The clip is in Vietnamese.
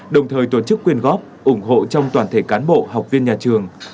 đồng thời tổ chức quyên góp ủng hộ trong toàn thể cán bộ học viên nhà trường